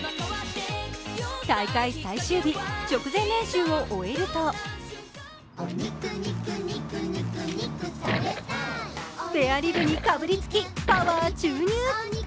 大会最終日、直前練習を終えるとスペアリブにかぶりつき、パワー注入。